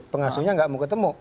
pengasuhnya nggak mau ketemu